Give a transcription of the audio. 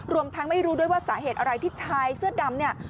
รวมทั้งไม่รู้ด้วยว่าสาเหตุอะไรที่ชายเสื้อดำเนี่ย